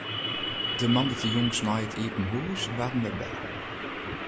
De moandeitejûns nei it iepen hûs waarden wy belle.